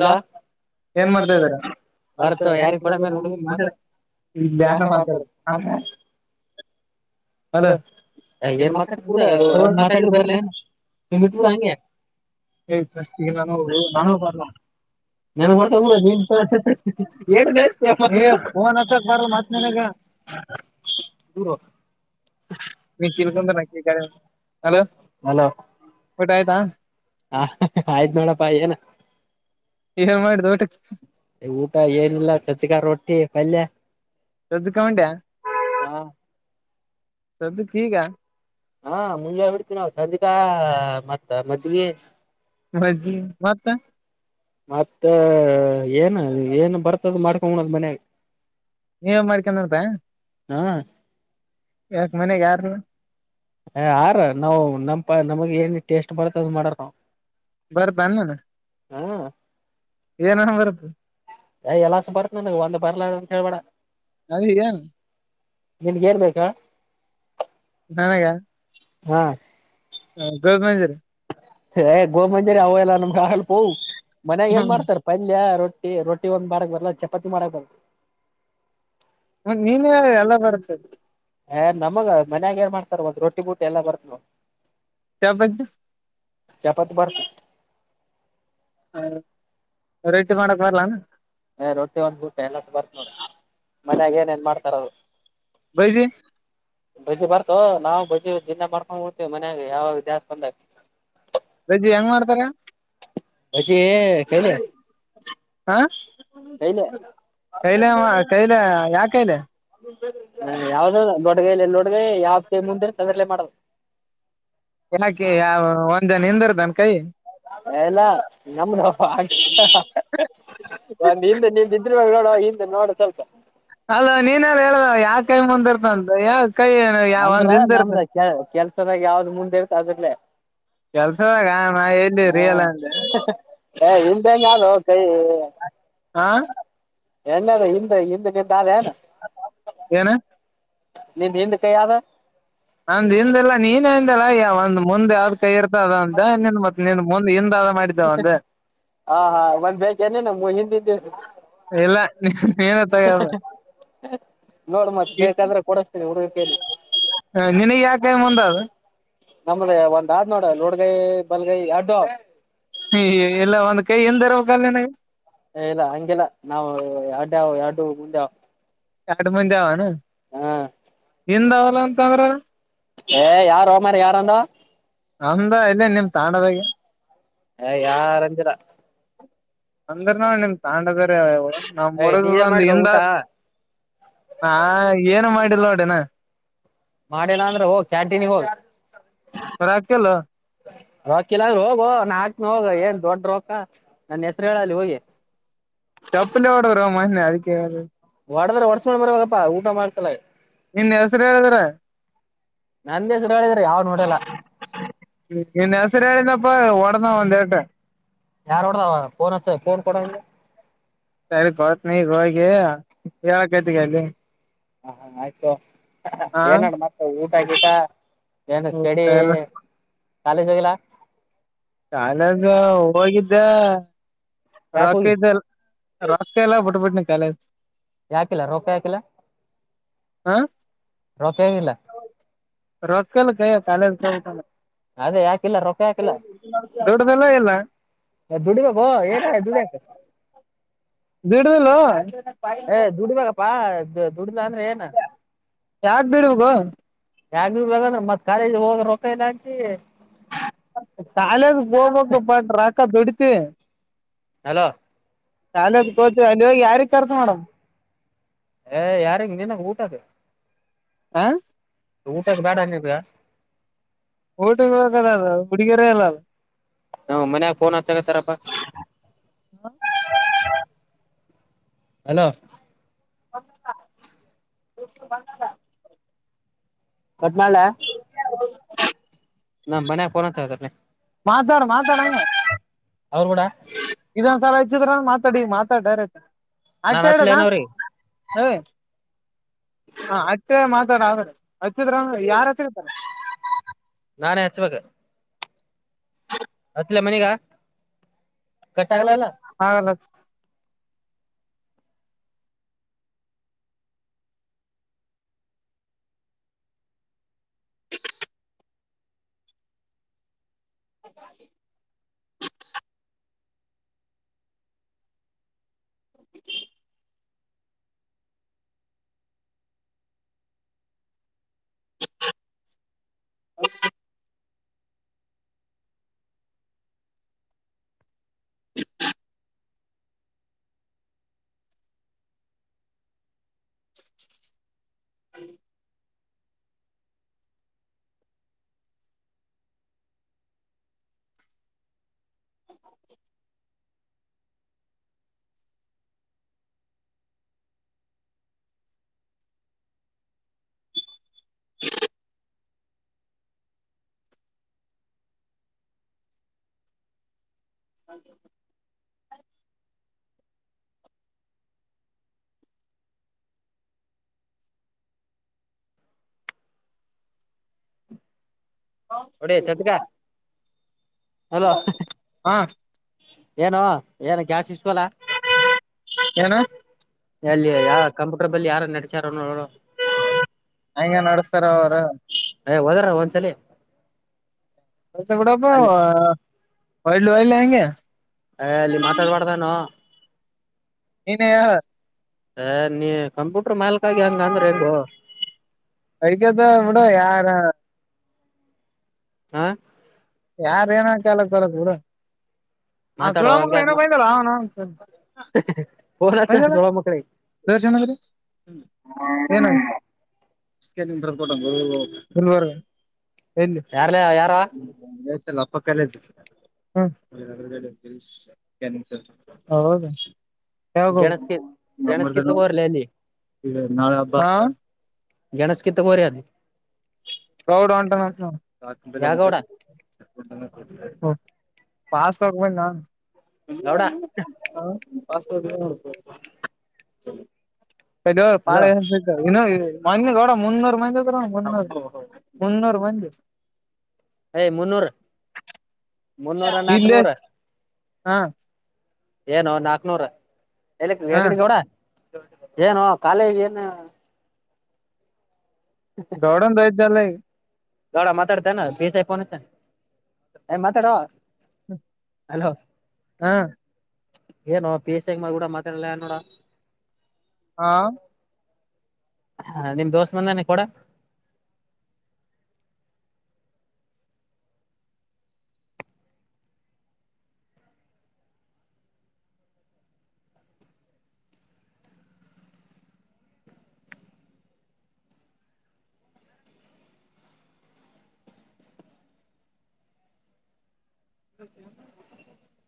ಹೌದಾ? ಏನ್ ಮಾಡ್ತಾ ಬರ್ತ ಯಾರಿಿಗೆ ಪಡ ಮೇಲೆ ಹುಡುಗ ಮಾತಾಡ ಈ ಜಾನ ಮಾತ್ರ [inaudible] ಹಲೋ ಏನ್ ಮಾತಾಡ ಬಿಡ ಒ ಮಾತಾಡ ಬರ್ಲನ ನಿಮ್ ಇಟ್ಬ ಬಿಡ ಹಂಗೆ ಏ್ ಫಸ್ಟ್ ಸ್ತಿಿ [inaudible] ಗೆ ನಾನೂ ನಾನೂ ಬರ ನನ್ಗ್ ಬರ್ತಡ ನೀ ಏನ್ ಗೈಸ್ ಏ ಫೋನ್ [unintelligible] ಹಾಕ್ ಬಾರ ಮತ್ ನನಗ ಹ [inaudible] ಹರ [inaudible] [inaudible] ನೀ ನಿಕಂತಲೋ ಕಿಲ್ಕೊಂಡ್ರ ಅಕ್ಕಿ ಕಡೆ [unintelligible] ಹಲೋ ಹಲೋ ಊಟ ಆಯ್ತಾ ಹ ಆಯ್ತ್ು ನೋಡಪ್ಪಾ ಏನ ಏನ್ ಮಾಡಿದ ಊಟಕ್ಕೆ ಊಟ ಏನಿಲ್ಲ ಚಚ್ಚಿಕ ರೊಟ್ಟಿ ಪಲ್ಯ ಸದ್ದು ಕೌೊಂಡ್ಯ ಸದ್ದು ಕ ಈಗ ಹಾ ಮುಂಡೆ ಹಡ್ತೀವಿ ನಾವು ಚಂದಿಕಾ ಮತ್ತ ಮಜ್ಿಗೆ ಮಜ್ಜಿ ಮತ್ತ ಮತ್ತೆ ಏನ ಏನ್ ಬರ್ತದ ಮಾಡ್ಕೋಣದ್ ಮನ್ಯಾಗ ನೀವ ಮಾಡ್ಕೊಂಡನಪ ಹಾ ಯಕ್ ಮನೆಗೆ ಯಾರ ಆರ ನಾವವು ನಮಪ ನಮಗ್ ಏನ್ ಟೇಸ್ಟ್ ಮಾಡತ್ತ ಅದ ಮಾಡಾರ ನಾವ್ ಬರ್ದ ಅನ್ನನ ಹ್ಮ ಏನ ಬರ್ದುು ಯ ಎಲ್ಲಸ ಬರ್ಕ್ ನನ್ಗ ಒಂದ್ ಬರ್ಲ ಅಂತ ಕೇಳ್ಬೇಡ ಅ ಹಯ ನಿನ್ಗ ಏನ್ ಬೇಕಾ ನನಾಗ ಹ್ಮ ಹ ದದ ಮಜರ ನಮ್ಗೆ ಆಪ ಮನ್ಯಾಗ ಏನ್ ಮಾಡ್ತಾರೆ ಪಂದ್ಯ ರೊಟ್ಟಿ ಟ್ಟಿ ರೊಟ್ಟಿ ಒಂದ್ ಮಾಡಕ್ ಬರಲ್ಲ ಚಪಾತಿ ಮಾಡಕ್ ಬರ ಹ ನೀನೇ ಎಲ್ಲ ಬರ್ತದೆ ಏ ನಮಗ ಮನ್ಯಾಗ ಏನ್ ಮಾಡ್ತಾರ ಒದ ರೋಟಿ ಬೂಟ್ಟಿ ಎಲ್ಲಾ ಬರ್ತವು ಚ ಬಂದದು ಚಪಾತಿ ಬರ್ತು ಹೌ ರೇಟಿ ಮಾಡಕ್ ಬರಲ್ಲಾನ ಏ ರೊಟ್ಟಿ ಒಂದ್ ಊಟ ಎಲ್ಲಸು ಬರ್ತ್ ನೋಡ ಮನ್ಯಾಗ ಏನೇನ್ ಮಾಡ್ತಾರದು ಬಜ್ಜಿ ಬಜಿ ಬರ್ತೋ ನಾವು ಬಜ ದಿಂದ ಮಾಡ್ಕೊಂಡ್ಬಡ್ತೀವಿ ಮನ್ಯಾಗ ಯಾವಾಗ ಜಾಸ್ ಬಂದಾಗ ರಜೆ ಹೆಂಗ್ ಮಾಡ್ತಾರ ಪೆ ಕೆಲ್ಲ ಹ ಕೈಲ ಕೈಲ ಯಾ ಕೈಲೆ ಹ ಯಾವ್ದ ಬಡಗೈಯ ಲೋಡ್ಗೈ ಯಾವತಿ ಮುಂದ ತದಲೆೇ ಮಾಡದು [inaudible] ಏನಕ ಯಾವ ಒಂದ್ ಜನ ಹಿಂದರ್ದನ್ ಕೈ ಎಲ್ಲ ನಮ್ದ ಒಂದ್ ಹಿಂದೆ ನಿಿದ್ರ ಮಾಗ ನೋಡುವ ಹಿಂದೆ ನೋಡ ಸ್ವಲ್ಪ ಅಲ್ಲ ನೀನ್ಲ್ಲ ಹೇಳುದ ಯಾವ ಕೈ ಮುಂದ್ ಇರ್ತಂತ ಯಾವ ಕೈ ಯಾವ ಒಂದ್ ಹಿಂದ ಇರ್ತ ಚೆನ್ನಾಗಿ ಯಾವ್ದು ಮುಂದೆ ಇರ್ತ ಅದ್ರಲ್ಲೇ ಕೆಲ್ಸವಾಗ ಹಾ ಇಮ್ದ ಹೆಂಗ ಯಾವ್ದ ಹಾ ಎಲ್ಲಾರ ಹಿಂದೆ ಹಿಂದಕ್ಕೆಂತ ಅ ಏನು.. ಏನು. ನಿಂದ ಹಿಂದ ಕೈ ಯಾವ.. ನಂದ ಹಿಂದೆಲ್ಲಾ ನೀನ್ ಹಿಲ್ಲಾಯ್ಯ ಒಂದ್ ಮುಂದೆ ಅ ಕೈ ಇರ್ತದ ಅಂತನ್ ಮತ್ತತ್ ನಿ ಮುಂದ ಹಿಂದ.. ಮಾಡಿದ್ದಾವ ಅಂದ.. ಹಾ ಹಾ ಒಂದ್ ಬಗ ಏನು ಹಿಂದಿನ.. ಎಲ್ಲ ಏನ ತಗಲ್ಲ.. ನೋಡ್ ಮತ್ ಬೇಕಾದ್ರೆ ಕೊಡಸ್ತೇನಿ ಹುಡುಗಕಿ.. ಹ ನಿನಗ್ ಯಾಕ ಕೈಮ್ ಒಂದ ಅದು.. ನಮ್ದ ಒಂದ್ ಆದ್ ನೋಡ ಲೋಡ್ಗೈ ಬಲ್ಗೈ ಅಡ್ಡು.. ಹ ಎಲ್ಲ ಒಂದ್ ಕೈ ಎನ್ ದರ ಹೋಗಲ್ ನವು.. ಇಲ್ಲ ಹಂಗಗೆಲ್ಲ ನಾವು ಎರಡಾವ ಎರಡು ಮುಂದೆವು.. ಕಡ್ಮಂದ ದಾವಾನ. ಹಾ.. ಎಂದ ಅವಲ್ಲ ಅಂತ ಅಂದ್ರ.. ಏ ಯಾರು ಮಾರ ಯಾರ ಅಂದ.. ಅಮ್ದ ಇಲ್ಲ ನಿಮ ತಾಂಡದಾಗ.. ಹ ಯಾರಂದಿರ.. ಅಂದ್ರ ನೋ ನಿಮ್ ತಾಂಡದಾವ.. ನಮ್ ಏಯ್ ಮರಗ ನೀ ಏನ್ ಬಂದು ಮಾಡಿದ ಇಂದ ಊಟ ನಾ ಏನು ಮಾಡ.. ಲ್ಲ ಅಡೆನ.. ಮಾಡಲ್ಲ ಅಂದ್ರೆ ಹೋಗಿ ಕ್ಯಾಂಟೀನ್ಗೆ ಹೋಗಿ.. ಹೊರ ಹಾಕಿಲ್ಲ ರಾಕಿಲಂದ್ರ ಹೋಗುವ ನಾಕ್ನ ಹೋಗ ಏನ್ ದೊಡ್ಡ.. ರೊಕ್ಕ ನನ್ನ ಹೆಸರು ಹೇಳಲ್ಲಿ ಹೋಗಿ... ಚಪ್ಪಲಿ ಒಡರ ಮಹೆ ಅದಕ್ಕೆ.. ಒಡದ್ರೆ ಒಡ್ಸ ಮಾಡ ಬರವಾಗಪ್ಪ ಊಟ ಮಾಡ್ಸಲ.. ಇನ್ ಹೆಸರು ಹೇಳಿದ್ರ.. ನಂದ ಹೆಸರು ಹೇಳಿದ್ರೆ ಯಾವ್ ನೋಡಲ್ಲ ನಸರ ಯಾರನಪ್ಪ ಒ... [inaudible] ಯಾರ್ ನೋಡ್ದ ಫೋನ್ ಹ.. ಸರಿ ಬತ್ ನೀ ಹಗೆ ಯಾಗತಿಗೆ ಅಲ್ಲಿ.. ಹ ಹಾ ಆಯ್ತು ಹ ಏನಡ ಮತ್ತೆ ಊಟ ಆಗಟ.. ಏನು ಸ್ಟಡಿ ಕಾಲೇಜ್ ಹೋಗಿಲ್ಲ.. ಕಾಲೇಜ ಹೋಗಿದ್ದೆ ಯಾಕೆ ರೊಕ್ಕ ಹೋಗಿದ್ ಇದ್ದಲ್ಲ.. ರಸ್ತೆ ಎಲ್ಲ ಬಿುಟ್ಟಬಟ್ಟನ ಕಾಲೇಜ್.. ಯಾಕಿಲ್ಲ ರೊಪ ಯಾಕಿಲ್ಲ ಹ ರೊಪೆಗಿಲ್ಲ... ರೊಕ್ಕ ಇಲ್ಲ ಕೈಯ ಕಾಲೇಜ್ ತಕೊಂಡ್ ಬಂದೆ.. ಅದೇ ಯಾಕಿಲ್ಲ ರೊಕ್ಕ ಯಾಕಿಲ್ಲ ದೊಡ್ಡದೆಲ್ಲ ಇಲ್ಲ.. ದುಡಿಬೇಕು ಏನ ದುಡಿಕ.. ಬಿಡುದಿಲ್ಲ.. ಏ ದುಡ್ಬೇಕಪ್ಪಾ ದುಡಲ ಅಂದ್ರೆ ಏನ್.. ಯಾಕ ದುಡಿಬೇಕು ಯಾಗ್ ಬಿ ಬೇಂದ್ರ ಮತ್ ಕಾಲಜ ಹೋಗ ರೊಕ್ಕ ಇಲ್ಲಾ ಅಂತಿ.. ಕಾಲೇಜ ಹೋಗ್ಬೇಕು ಬಟ್ ರಕ್ಕ ದುಡಿತೀವಿ.. ಹಲೋ ಕಾಲೇಜಿಗೆ ಹೋದ ಯಾರ ಕರ್ಸ ಮಾಡೇಡಮ್... ಏ ಯಾರಾಗ ನಿನಾಗ ಊಟದ.. ಆ. ಊಟಕ್ಕೆ ಬೇಡ ನೀವ. ಊಟಿಗೆ ಹೋಗಲ್ಲಾರ ಹುಡಗಿಯರ ಅಲ್ಲಾರ.. ಹಾ ಮನ್ಯಾಗ ಫೋನ್ ಹಚ್ಚಕತ್ತಾರಪ್ಪಾ.. ಅಲೋ. [unintelligible] ಕೊಟ್ನಾಳೆ [unintelligible] [inaudible] ನಮ್ ಮನೆ [unintelligible] ಮಾತಾಡು ಮಾತಾಡನೆ ಅವರು ಗೂಡ ಎತ್ತದ್ರೆ ಮಾತಾಡಿ ಮಾತಾಡ್ ಡೈರೆಕ್ಟ್ ನಾನ್ ಅತ್ಲನ್ ಅವ್ರಿ ಏಯ್ ಹ ಅಟ್ ಮಾತಾಡ ಆದ್ರೆ ಹಚ್ಚಿದ್ರ ಯಾರ್ ಹಚ್ಚಿರ್ತಾರೆ ನಾನ ಅಚ್ಚ್ ಬೇಕು ಇಲ್ಲ ಮನೆಗ [unintelligible] [unintelligible] [inaudible] [unintelligible] ಹ್ಮ [inaudible] [inaudible] [unintelligible] ಹೊಡಿ ಚಚ್ಕ ಹಲೋ ಹಾ ಏನು ಏನ್ ಗ್ಯಾಸ್ ಇಸ್ಕೊಲ. ಏನ ಎಲ್ಲಿ ಯಾವ ಕಂಪ್ಯೂಟರ್ ಬಲ್ಲಿ ಯಾರು ನಡಚಾರೋ ನೋಡು ಹಂಗೆ ನಡಸ್ತಾರ ಅವರು ಚಲಿ ಕೂಡಪ [unintelligible] ವೈಲ್ ಹೆಂಗೆ ಅಲ್ಲಿ ಮಾತಾಡ್ಬಾರ್ದಾನು ನೀನೇ ಹೇಳು ಹ ನೀ ಕಂಪ್ಯೂಟರ್ ಮಾಲ್ ಅಳಿಕದ ಬಿಡು ಯಾರ ಹಾಂ ಯಾರ್ ಏನ [unintelligible] ಬಿಡು ಮಾತಾಡೋ ಹಂಗ್ಯಾಕ್ ಮಾಡ್ತ [unintelligible] ಫೋನ್ ಹಚ್ಚ ಸೊಳ ಮಕ್ಳಿಗೆ [unintelligible] ಸ್ಕ್ಯಾನಿಂಗ್ ರಿಪೋರ್ಟ್ ಅದು [unintelligible] ಎಲ್ಲಿ ಯಾರ್ಲ ಯಾರ ಚಲ್ಲಪ್ಪ ಕಾಲೇಜು ಹ್ಮ ಹೌದ ಯಾವುದು ಗೆಣಸ್ಕಿ ನಮ್ ಗೆಣಸ್ಕಿ ಊರದೇನೋ ತಗೋರ್ಲಿ ಅಲ್ಲಿ ನಾಳೆ ಹಬ್ಬ, ಹಾಂ. ಗಣೇಶಕ್ ತಕೊರಿ ಅದು ಪ್ರೌಡ್ ಅಂಟ್ ಗೌಡ [unintelligible] ಪಾಸ್ ತಕೊಹೋಗ್ಲಾ ಗೌಡ ಹಲೋ ಪಾಳೆ [unintelligible] ಮಂದಿ ನೋಡ್ ಮುನ್ನೂರು ಮಂದಿ ಮುನ್ನೂರು ಮುನ್ನೂರು ಮಂದಿ ಮುನ್ನೂರ್ ಮುನ್ನೂರ ಇಲ್ಲೇ ನಾಕ್ನೂರ್ ಹಾ ಏನು ನಾಕ್ನೂರ ಎಲ್ಲಿಕ್ ವೇಕಡಿಗೌಡ. ಏನು ಕಾಲೇಜ್ ಏನು ಗೌಡನ್ ದಯದ್ ಜಾಲೆ ಗೌಡ ಮಾತಾಡ್ತೀಯೇನ ಪಿ ಎಸ್ ಐ ಪೋನ್ ಹಚ್ಚ್ಯಾನ ಏ ಮಾತಾಡೋ. ಹಲೋ ಹಾ ಏನೋ ಪಿ ಎಸ್ ಐ ಗೂಡ ಮಾತಾಡ್ಲಾಗ್ಯಾನ ನೋಡ. ಹಾ ಹಾ ನಿಮ್ ದೋಸ್ತ ಬಂದಾನ ಕೊಡ. [unintelligible]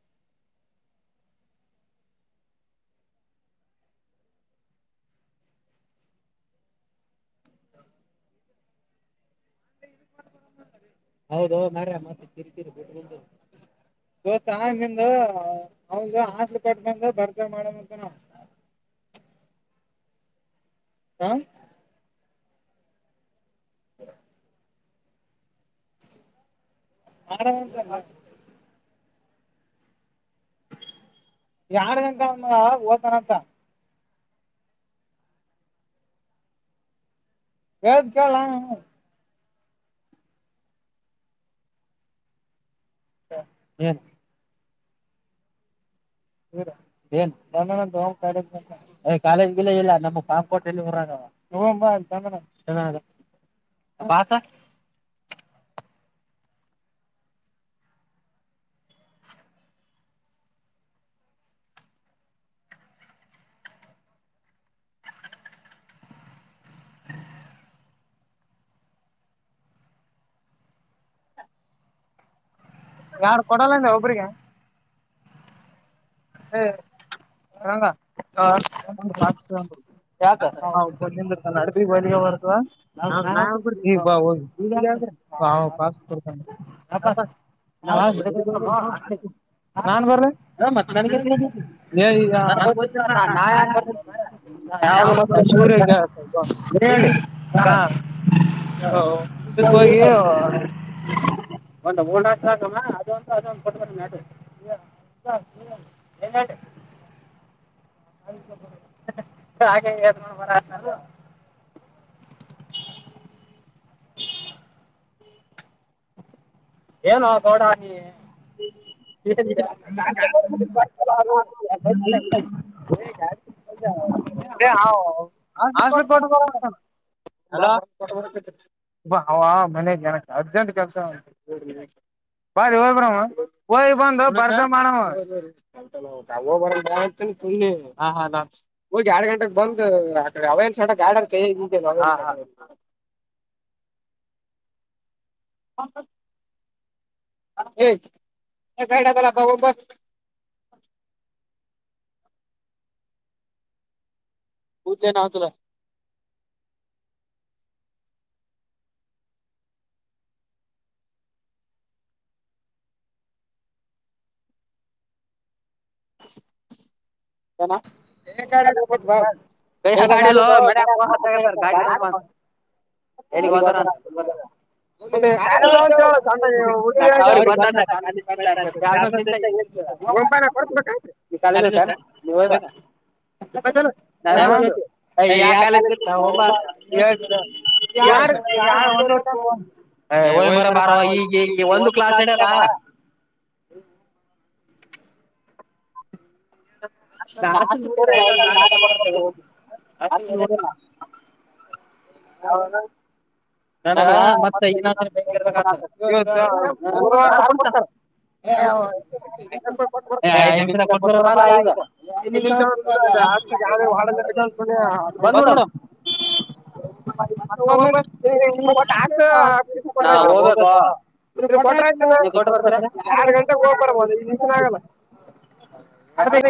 ಹೌದೋ ಮಾರಾಯ ಮತ್ತ ಕಿರಿಕಿರಿ ಬಿಟ್ಟಬಂದೀ [unintelligible] [inaudible] ಹಾಂ [inaudible] [unintelligible] ಯಾರ್ ಗಂಟ ಅಂದ ಓತನಾತ ಹೇಳದ್ ಕೇಳ್ಲಾ [unintelligible] [unintelligible] ತೊಗೊಂಡ್ಬಾ [unintelligible] ಹಾ ಸರ್ ಯಾಡ ಕೊಡಲ್ಲಂದ್ಯಾ ಒಬ್ರಿಗೆ ಹೇ ಹಂಗ ಆ [unintelligible] ಹಾ ಪಾಸ್ ಕೊಡ್ತಾನ ಅಪಾಸ್ ಪಾಸ್ ನಾನು ಬರ್ಲ್ಯಾ. ಹಾ ಮತ್ ನನ್ಗೇನ್ ಗೊತ್ತ ನನ್ಗ್ ಗೊತ್ತಿಲ್ಲ ನಾ ನಾ ಯಾಕ [unintelligible] [unintelligible] ಬರ್ಲ [unintelligible] [unintelligible] [unintelligible] [unintelligible] [inaudible] ಏನೋ ಗೌಡಾ ನೀ [unintelligible] [unintelligible] ಅವಾ ಮನೆಗೆನಕ್ಕೆ ಅರ್ಜೆಂಟ್ ಕೆಲ್ಸ ಬಾ ಲೇ ಹೋಗಿ ಬರೋಮು ಹೋಗಿ ಬಂದ್ ಭರ್ಜರಿ ಮಾಡುಮ್ ಇಲ್ಲೇ ಹಾ ಹಾ ನಾ ಹೋಗಿ ಎರಡ್ ಗಂಟೆಗೆ ಬಂದ ಆಕಡೆ ಅವೇನ್ [unintelligible] ಗಾರ್ಡನ್ ಕೈಯಾಗ್ ಬಿಟ್ಬಿಟ್ಟೆ ನಾವು [inaudible] [unintelligible] [unintelligible] [unintelligible] [unintelligible] [unintelligible] ಎಲ್ಲಿಗೆ ಹೋತಾರಂತ ಗುಲ್ಬರ್ಗ. ಅವ್ರಿಗೆ ಗೊತ್ತಾದ ಕಾಲೇಜ್ [unintelligible] ಬರ್ಲ ಅಂತ ತಿಂದ ಏನ್ ತಿಂದಿಲ್ಲ [unintelligible] ಹೋದ [unintelligible] ಯ ಯಾರ [unintelligible] ಯಾರ್ ಹೇ ಹೋಗಿ ಬರಂ ಬಾರೋ ಈಗ ಈ ಒಂದು ಕ್ಲಾಸ್ ನಡೆಲ್ಲ. ನಾ ಹಾಸ್ಟೆಲ್ ನೋಡಿಲ್ಲ ಎಲ್ಲ ನಾನೇ ಬಂದ್ ಬರ್ತೇನೆ ಹೋಗಿ ಹಾಸ್ಟೆಲ್ ನೋಡಿಲ್ಲ [unintelligible] [inaudible] ನನಗ ಮತ್ತ ಇನ್ನೊಂದ್ಸರಿ ಬೈಕ್ ತರ್ಬೇಕಾಗ್ತದ ನನಗ್ ಯಾರ್ ಮತ್ತ ಕೊಡ್ತಾರ ಏ ಐದ್ ನಿಮಿಷದ [unintelligible] ಕೊಟ್ಬಿರ ಮಾಲ ಈಗ ಐದ್ ನಿಮಿಷ [unintelligible] [unintelligible] [unintelligible] [unintelligible] ನಾ ಹೋಗ್ಬೇಕು ಇ ಕೊಟ್ರ ಆಯ್ತಿಲ್ಲ ನೀ ಕೊಟ್ಟ ಬರ್ತ ಏನ್ ಎರಡ್ ಗಂಟೆಗ ಹೋಗ್ ಬರ್ಬೋದು ಐದ ನಿಮ್ಷನ್ ಆಗಲ್ಲ. [unintelligible]